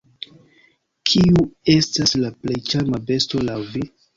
Kiu estas la plej ĉarma besto laŭ vi?